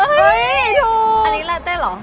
เฮ้ยถูกอันนี้ลาตเต้หรอ